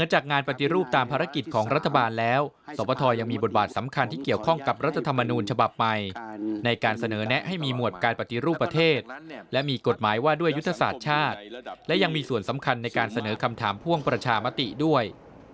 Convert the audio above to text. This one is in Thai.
หมายว่าด้วยยุทธศาสตร์ชาติและยังมีส่วนสำคัญในการเสนอคำถามพ่วงประชามติด้วย